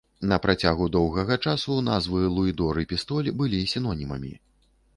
На працягу доўгага часу назвы луідор і пістоль былі сінонімамі.